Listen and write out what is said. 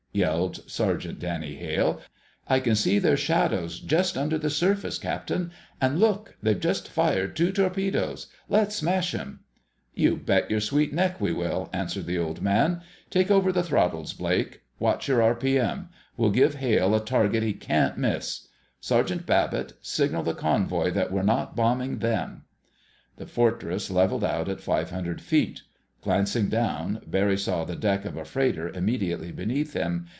_" yelled Sergeant Danny Hale. "I can see their shadows just under the surface, Captain. And look—they've just fired two torpedoes! Let's smash 'em!" "You bet your sweet neck we will!" answered the Old Man. "Take over the throttles, Blake. Watch your r.p.m. We'll give Hale a target he can't miss.... Sergeant Babbitt, signal the convoy that we're not bombing them!" The Fortress leveled out at 500 feet. Glancing down, Barry saw the deck of a freighter immediately beneath him.